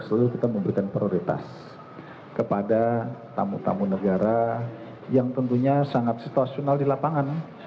selalu kita memberikan prioritas kepada tamu tamu negara yang tentunya sangat situasional di lapangan